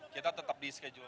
kita tetap di schedule